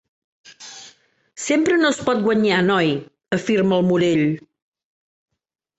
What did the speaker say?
Sempre no es pot guanyar, noi —afirma el Morell.